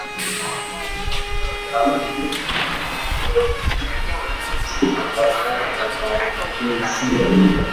The chart for the meaning of each number on the cards is below.